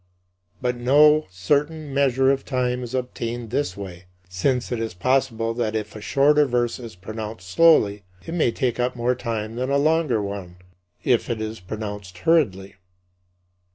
But no certain measure of time is obtained this way; since it is possible that if a shorter verse is pronounced slowly, it may take up more time than a longer one if it is pronounced hurriedly.